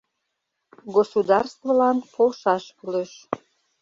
Государствылан полшаш кӱлеш.